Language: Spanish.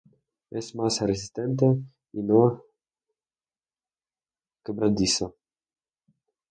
Es más resistente y no quebradizo.